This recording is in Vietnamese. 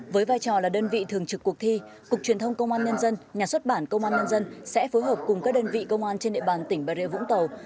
với vai trò là đơn vị thường trực cuộc thi cục truyền thông công an nhân dân nhà xuất bản công an nhân dân sẽ phối hợp cùng các đơn vị công an trên địa bàn tỉnh bà rịa vũng tàu